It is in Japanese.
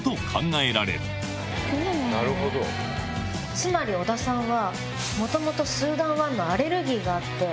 つまり小田さんは。